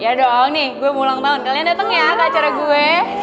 ya doang nih gue mau ulang tahun kalian dateng ya ke acara gue